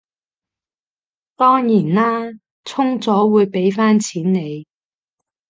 當然啦，充咗會畀返錢你